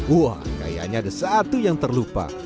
wah kayaknya ada satu yang terlupa